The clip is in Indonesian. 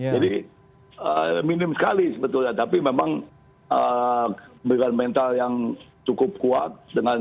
jadi minim sekali sebetulnya tapi memang mental yang cukup kuat